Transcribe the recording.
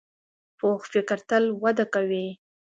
پوخ فکر تل وده کوي